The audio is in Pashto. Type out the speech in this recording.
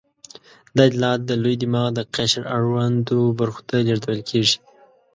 دا اطلاعات د لوی دماغ د قشر اړوندو برخو ته لېږدول کېږي.